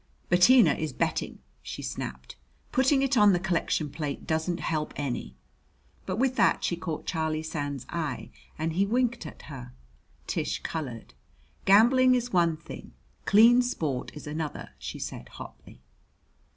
"Bettina is betting," she snapped. "Putting it on the collection plate doesn't help any." But with that she caught Charlie Sands' eye and he winked at her. Tish colored. "Gambling is one thing, clean sport is another," she said hotly.